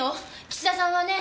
岸田さんはね